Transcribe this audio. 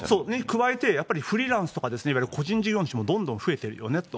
加えて、やっぱりフリーランスとかいわゆる個人事業主もどんどん増えてるよねと。